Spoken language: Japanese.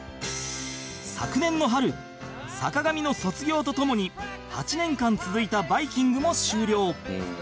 昨年の春坂上の卒業とともに８年間続いた『バイキング』も終了